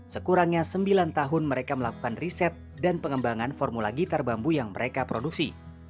sekurangnya sembilan tahun mereka melakukan riset dan pengembangan formula gitar bambu yang mereka produksi